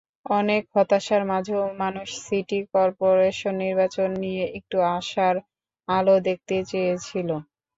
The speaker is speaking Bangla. অনেক হতাশার মাঝেও মানুষ সিটি করপোরেশন নির্বাচন নিয়ে একটু আশার আলো দেখতে চেয়েছিল।